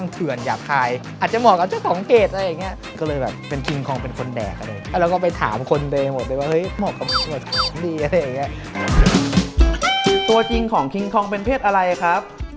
ตัวจริงของคิงคองเป็นเพศอะไรครับ